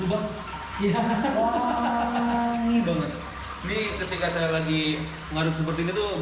ini ketika saya lagi ngaduk seperti ini tuh